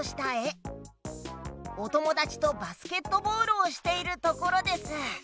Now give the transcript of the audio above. おともだちとバスケットボールをしているところです！